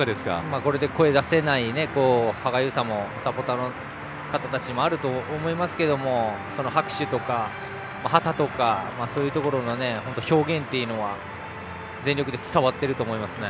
これで声を出せない歯がゆさもサポーターの方たちはあると思いますが拍手とか、旗とかそういうところの表現というのは全力で伝わっていると思います。